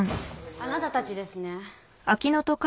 あなたたちですね？